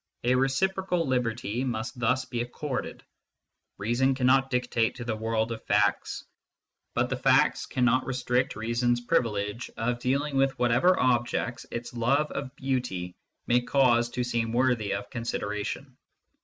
A reciprocal liberty must thus be accorded : reason cannot dictate to the world of facts, but the facts cannot restrict reason s privilege of dealing with whatever objects its love of beauty may cause to seem worthy of consideration.